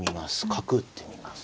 角打ってみます。